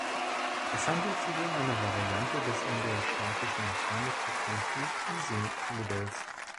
Es handelt sich um eine Variante des in der Statistischen Mechanik bekannten Ising-Modells.